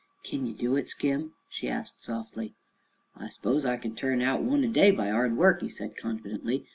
"Kin ye do it, Skim?" she asked softly. "I s'pose I kin turn out one a day, by hard work," he said confidently.